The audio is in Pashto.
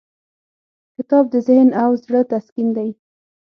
کتاب د ذهن او زړه تسکین دی.